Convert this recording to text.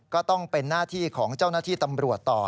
ก็ต้องเป็นหน้าที่ของเจ้าหน้าที่ตำรวจต่อ